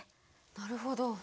なるほど。